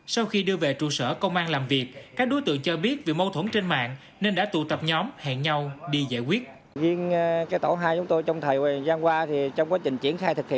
sau khi đưa về trụ sở công an làm việc các đối tượng cho biết vì mâu thuẫn trên mạng nên đã tụ tập nhóm hẹn nhau đi giải quyết